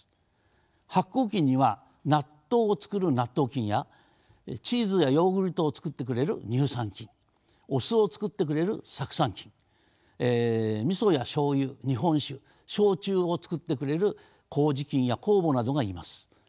発酵菌には納豆をつくる納豆菌やチーズやヨーグルトをつくってくれる乳酸菌お酢をつくってくれる酢酸菌みそやしょうゆ日本酒焼酎をつくってくれる麹菌や酵母などがいます。